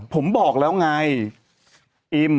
ผมบอกแล้วไง